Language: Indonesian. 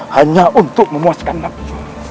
hanya untuk memuaskan nafsu